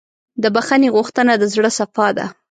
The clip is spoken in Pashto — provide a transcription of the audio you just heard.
د بښنې غوښتنه د زړۀ صفا ده.